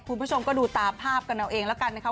คุณผู้ชมก็ดูตามภาพกันเอาเองแล้วกันนะคะ